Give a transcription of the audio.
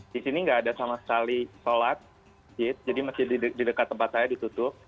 di sini nggak ada sama sekali sholat jadi masjid di dekat tempat saya ditutup